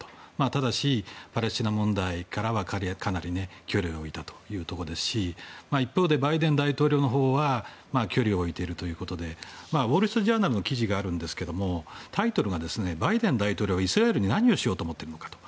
ただし、パレスチナ問題からはかなり距離を置きましたし一方でバイデン大統領のほうは距離を置いているということでウォール・ストリート・ジャーナルの記事があるんですがタイトルがバイデン大統領はイスラエルに何をしようとしているのかと。